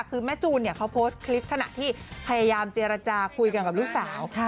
คือแม่จูนเขาโพสต์คลิปขณะที่พยายามเจรจาคุยกันกับลูกสาว